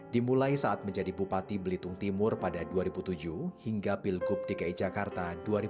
dimulai saat menjadi bupati belitung timur pada dua ribu tujuh hingga pilgub dki jakarta dua ribu tujuh belas